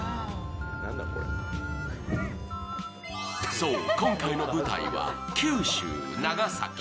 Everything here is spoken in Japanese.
そう、今回の舞台は九州・長崎。